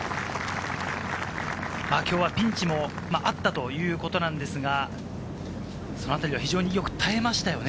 きょうはピンチもあったということなんですが、そのあたりは非常によく耐えましたよね。